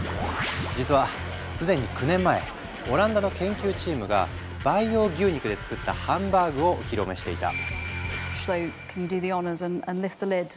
実は既に９年前オランダの研究チームが培養牛肉で作ったハンバーグをお披露目していた。